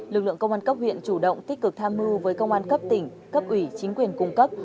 lực lượng công an cấp huyện chủ động tích cực tham mưu với công an cấp tỉnh cấp ủy chính quyền cung cấp